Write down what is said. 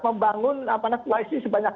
membangun apa namanya koalisi sebanyak